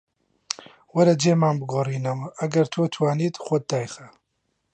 وەرە جێمان بگۆڕینەوە، ئەگەر تۆ توانیت خۆت دایخە